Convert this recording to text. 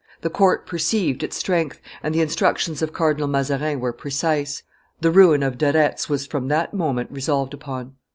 The court perceived its strength, and the instructions of Cardinal Mazarin were precise. The ruin of De Retz was from that moment resolved upon.